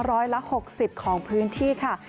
ร้อยละ๖๐ของพื้นที่ค่ะ